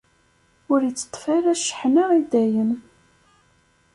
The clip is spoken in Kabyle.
Ur itteṭṭef ara cceḥna i dayem.